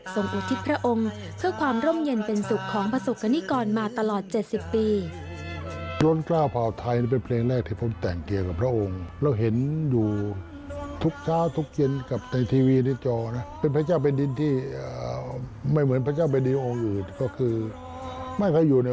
อุทิศพระองค์เพื่อความร่มเย็นเป็นสุขของประสบกรณิกรมาตลอด๗๐ปี